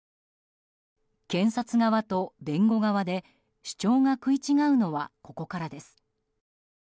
検察側と弁護側で主張が食い違うのはここからです。